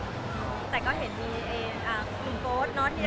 แต่ก็เห็นมีลุงโฟสเนอะ